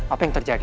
apa yang terjadi